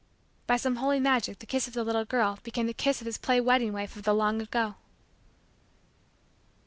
By some holy magic the kiss of the little girl became the kiss of his play wedding wife of the long ago.